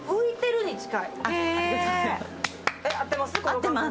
合ってます？